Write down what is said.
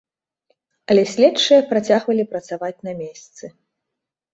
Але следчыя працягвалі працаваць на месцы.